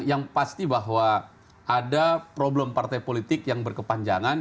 yang pasti bahwa ada problem partai politik yang berkepanjangan